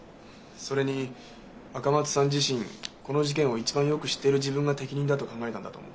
それに赤松さん自身この事件を一番よく知っている自分が適任だと考えたんだと思う。